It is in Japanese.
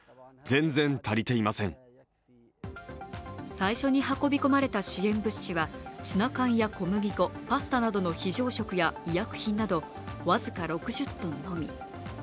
最初に運び込まれた支援物資はツナ缶や小麦粉パスタなどの非常食や医薬品など、僅か６０ｔのみ。